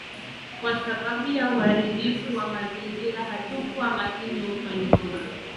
kwa sababu ya uharibifu wa mazingira hatukuwa makini huko nyuma